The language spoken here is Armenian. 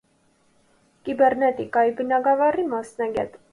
Կիբեռնետիկայի բնագավառի մասնագետ։